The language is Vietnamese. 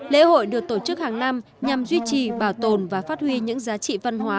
lễ hội được tổ chức hàng năm nhằm duy trì bảo tồn và phát huy những giá trị văn hóa